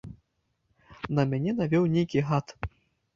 На мяне навёў нейкі гад.